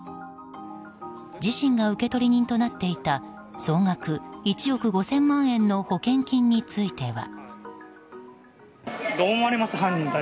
自身が受取人となっていた総額１億５０００万円の保険金については。